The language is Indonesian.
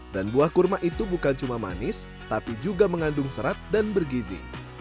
dan buah kurma itu bukan cuma manis tapi juga mengandung serat dan bergizi